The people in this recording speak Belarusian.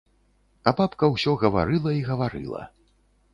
А бабка ўсё гаварыла і гаварыла.